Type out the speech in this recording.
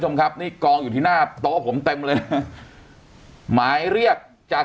น๑๙๘๔ผมครับนรกนิ้ย๓นี่กองอยู่ที่หน้าตัวผมเต็มเลยมายเรียกจาก